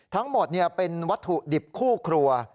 ทั้งหมดเป็นวัตถุดิบคู่ครัว